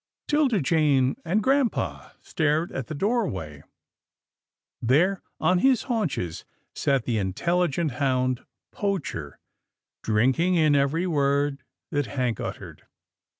'Tilda Jane and grampa stared at the doorway. There, on his haunches, sat the intelligent hound Poacher, drinking in every word that Hank uttered.